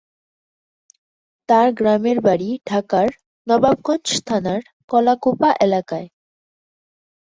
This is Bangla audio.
তাঁর গ্রামের বাড়ি ঢাকার নবাবগঞ্জ থানার কলাকুপা এলাকায়।